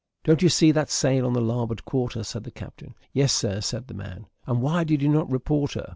"Don't you see that sail on the larboard quarter?" said the captain. "Yes, Sir," said the man. "And why did you not report her?"